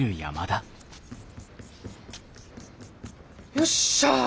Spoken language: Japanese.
よっしゃ！